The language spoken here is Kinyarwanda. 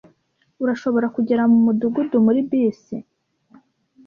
Urashobora kugera mu mudugudu muri bisi.